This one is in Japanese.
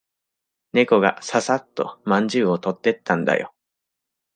猫がささっとまんじゅうを取ってったんだよ。